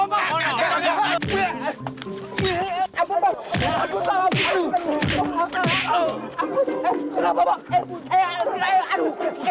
nggak mau nggak mau